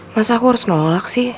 masa aku harus nolak sih